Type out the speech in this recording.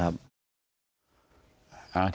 อยู่ดีมาตายแบบเปลือยคาห้องน้ำได้ยังไง